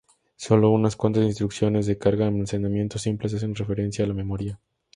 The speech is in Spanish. Sólo unas cuantas instrucciones de carga-almacenamiento simples hacen referencia a la memoria.